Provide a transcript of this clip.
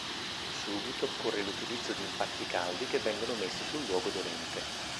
Subito occorre l'utilizzo di impacchi caldi che vengono messi sul luogo dolente.